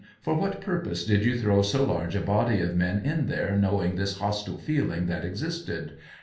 For what purpose did you throw so large a body of men in there, knowing this hostile feeling that existed